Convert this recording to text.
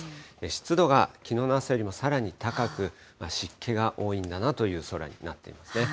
湿度がきのうの朝よりもさらに高く、湿気が多いんだなという空になってますね。